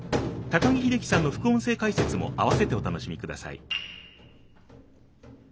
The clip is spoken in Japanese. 高木秀樹さんの副音声解説もあわせてお楽しみください。